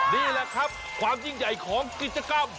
นี่แหละครับความยิ่งใหญ่ของกิจกรรม